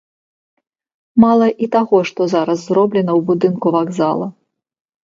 Мала і таго, што зараз зроблена ў будынку вакзала.